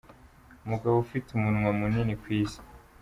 Umugabo ufite umunwa mu nini ku isi